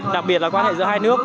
đặc biệt là quan hệ giữa hai nước